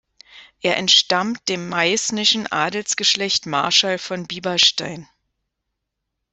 Er entstammt dem meißnischen Adelsgeschlecht Marschall von Bieberstein.